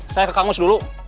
saya ke kangus dulu